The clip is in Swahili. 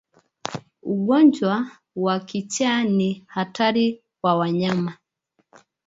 Ugonjwa wa kichaa ni hatari kwa wanyama